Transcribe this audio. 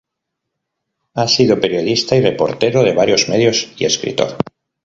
Ha sido periodista y reportero de varios medios y escritor.